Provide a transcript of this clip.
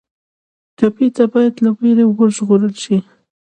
ټپي ته باید له وېرې وژغورل شي.